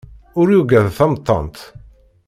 Ur yugad tamettant.